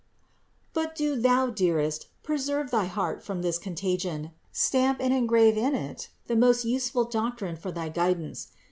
But do thou, dearest, preserve thy heart from this contagion, stamp and engrave in it the most useful doctrine for thy guidance.